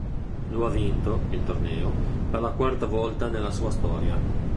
Lo ha vinto il torneo per la quarta volta nella sua storia.